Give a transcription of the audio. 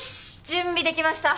準備できました。